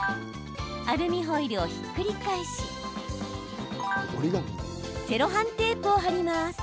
アルミホイルをひっくり返しセロハンテープを貼ります。